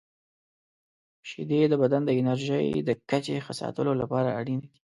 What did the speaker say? • شیدې د بدن د انرژۍ د کچې ښه ساتلو لپاره اړینې دي.